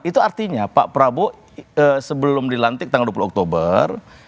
itu artinya pak prabowo sebelum dilantik tanggal dua puluh oktober